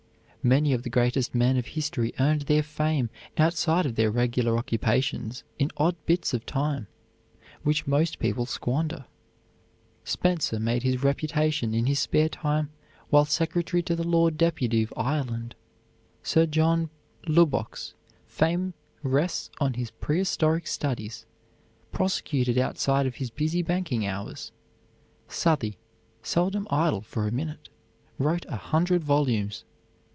Many of the greatest men of history earned their fame outside of their regular occupations in odd bits of time which most people squander. Spenser made his reputation in his spare time while Secretary to the Lord Deputy of Ireland. Sir John Lubbock's fame rests on his prehistoric studies, prosecuted outside of his busy banking hours. Southey, seldom idle for a minute, wrote a hundred volumes.